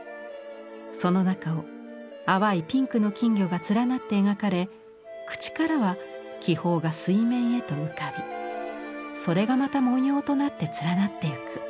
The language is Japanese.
その中を淡いピンクの金魚が連なって描かれ口からは気泡が水面へと浮かびそれがまた文様となって連なっていく。